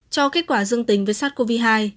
cho kết quả dương tính với sars cov hai